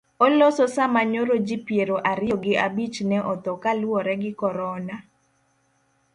Oloso sama nyoro ji piero ariyo gi abich ne otho kaluwore gi korona.